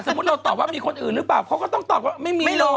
สมมุติเราตอบว่ามีคนอื่นหรือเปล่าก็ต้องตอบว่าไมมีรู้